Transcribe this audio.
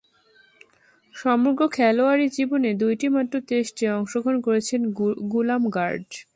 সমগ্র খেলোয়াড়ী জীবনে দুইটিমাত্র টেস্টে অংশগ্রহণ করেছেন গুলাম গার্ড।